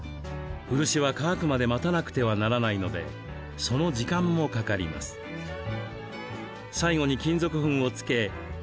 漆は乾くまで待たなくてはならないのでその時間もかかります。